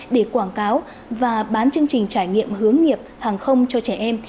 để quảng cáo và bán chương trình trải nghiệm hướng nghiệp hàng không cho trẻ em